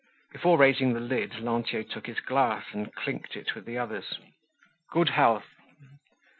Before raising the lid Lantier took his glass and clinked it with the others. "Good health."